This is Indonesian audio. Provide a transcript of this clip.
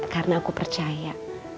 karena aku percaya